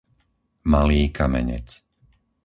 Malý Kamenec